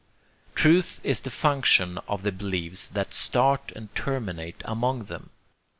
Truth is the function of the beliefs that start and terminate among them.